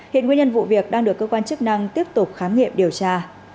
hiện nguyên nhân vụ việc đang được cơ quan chức năng tiếp tục khám nghiệm điều tra